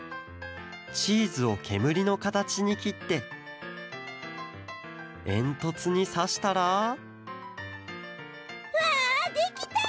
チーズをけむりのかたちにきってえんとつにさしたらわあできた！